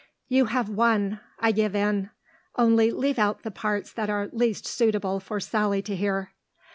"You have won; I give in. Only leave out the parts that are least suitable for Sally to hear."